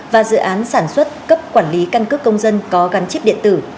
và dự án sản xuất cấp quản lý căn cước công dân có gắn chip điện tử